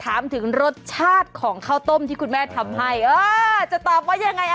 กายอร่อยไหมน้องกายอร่อยไหมถามเนี่ย